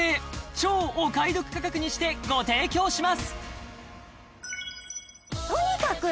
超お買い得価格にしてご提供します